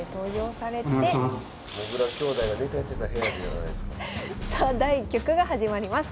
さあ第１局が始まります。